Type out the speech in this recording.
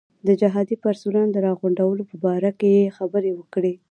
د جهادي پرسونل د راغونډولو په باره کې یې خبرې وکړې.